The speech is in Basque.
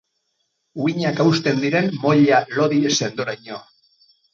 Uhinak hausten diren moila lodi sendoraino.